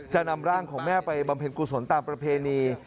จะนำร่างของแม่ไปบำเพ็ญกุศลตามประเพณี